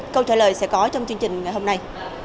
câu trả lời sẽ có trong chương trình ngày hôm nay